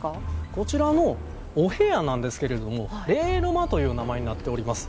こちらのお部屋なんですけれども礼の間という名前になっております。